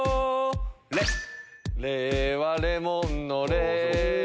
レはレモンのレ